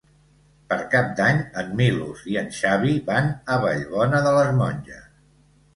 Per Cap d'Any en Milos i en Xavi van a Vallbona de les Monges.